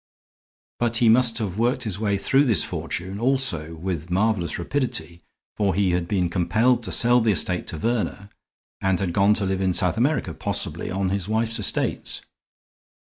But he must have worked his way through this fortune also with marvelous rapidity, for he had been compelled to sell the estate to Verner and had gone to live in South America, possibly on his wife's estates.